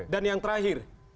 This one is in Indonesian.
dan yang terakhir